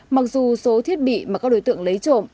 mặc dù số thiết bị mà các đối tượng lấy trộm